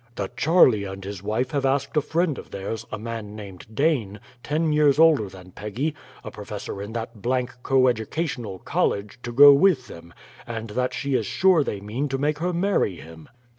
"that Charley and his wife have asked a friend of theirs, a man named Dane, ten years older than Peggy, a professor in that blank coeducational college, to go with them, and that she is sure they mean to make her marry him."